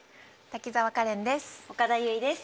滝沢カレンです。